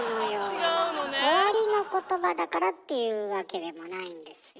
終わりのことばだからっていうわけでもないんですよ。